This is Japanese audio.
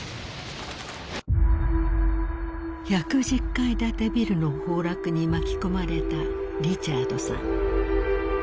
［１１０階建てビルの崩落に巻き込まれたリチャードさん］